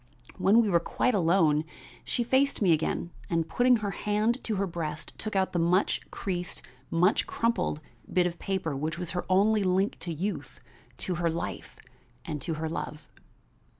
When we were quite alone, she faced me again and putting her hand to her breast took out the much creased, much crumpled bit of paper which was her only link to youth, to her life, and to her love.